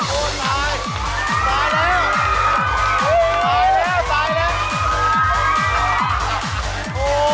เจอหมายเลขสองดีกว่าค่ะนี่หรือเปล่าโอ๊ยอยากดู